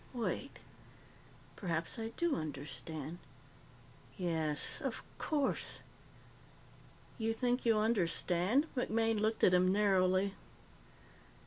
"Wait. Perhaps I do understand. Yes, of course." "You think you understand?" MacMaine looked at him narrowly.